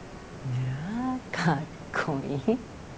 まあかっこいい。